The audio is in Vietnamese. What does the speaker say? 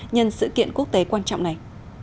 nhân sự kiện quốc tế quan trọng này